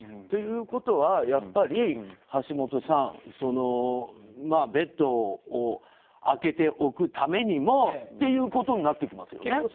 ということはやっぱり橋下さんベッドを空けておくためにもっていうことになってきますよね。